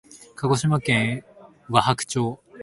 鹿児島県和泊町